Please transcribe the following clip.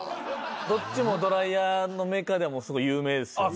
どっちもドライヤーのメーカーではすごい有名ですよね。